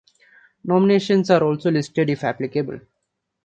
Nominations are also listed if applicable.